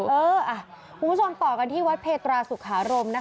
คุณผู้ชมต่อกันที่วัดเพตราสุขารมนะคะ